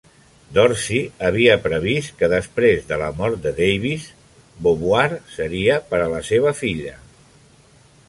Dorsey havia previst que, després de la mort de Davis, Beauvoir seria per a la seva filla.